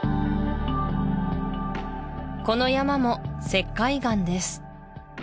この山も石灰岩です